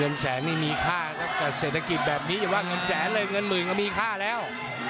แสนนี่มีค่ากับเศรษฐกิจแบบนี้อย่าว่าเงินแสนเลยเงินหมื่นก็มีค่าแล้ว